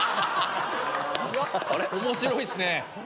面白いっすね。